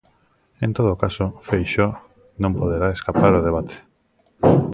En todo caso, Feixóo non poderá escapar ao debate.